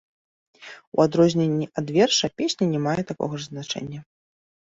У адрозненні ад верша, песня не мае такога ж значэння.